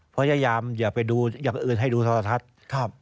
พยายามอย่าไปดูอย่างอื่นให้ดูโทรทัศน์